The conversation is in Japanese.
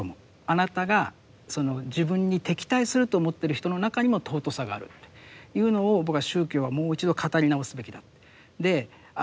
あなたが自分に敵対すると思ってる人の中にも尊さがあるというのを僕は宗教はもう一度語り直すべきだ。